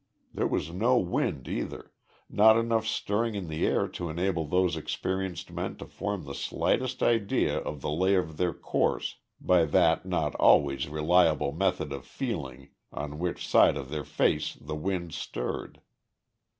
There was no wind either, not enough stirring in the air to enable those experienced men to form the slightest idea of the lay of their course, by that not always reliable method of feeling on which side of their face the wind stirred.